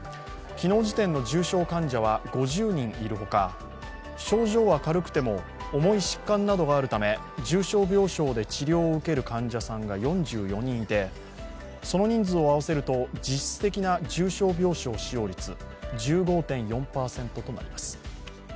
昨日時点の重症患者は５０人いるほか症状は軽くても重い疾患などがあるため重症病床で治療を受ける患者さんが４４人いて、その人数を合わせると実質的な重症病床使用率１５．４％となります。